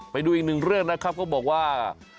ไปดูอีกหนึ่งเรื่องนะครับก็บอกว่า